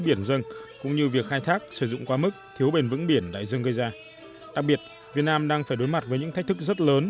biển đại dương gây ra đặc biệt việt nam đang phải đối mặt với những thách thức rất lớn